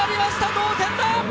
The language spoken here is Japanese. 同点だ！